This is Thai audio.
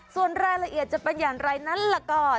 ส่วนรายละเอียดจะเป็นอย่างไรนั้นล่ะก่อน